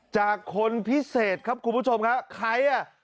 จากคนพิเศษครับคุณผู้ชมครับใครอ่ะ